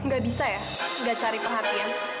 gak bisa ya gak cari perhatian